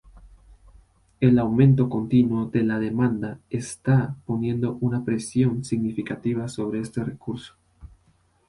El aumento continuo de la demanda está poniendo una presión significativa sobre este recurso.